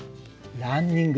ランニング。